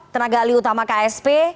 tenaga liutama ksp